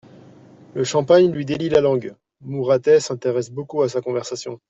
Le Champagne lui délie la langue ; Mouratet s'intéresse beaucoup à sa conversation.